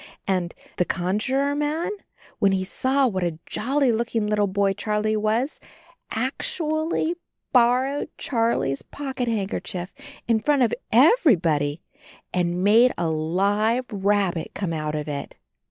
And — ^the conjuror man, when he saw what a jolly looking lit tle boy Charlie was, ac tu ally borrowed Charlie's pocket handkerchief in front of everybody and made a live rabbit come out of it!